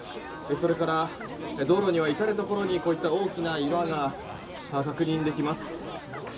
それから道路には至るところに大きな岩が確認できます。